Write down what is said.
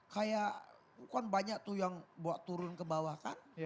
kayak kan banyak tuh yang bawa turun ke bawah kan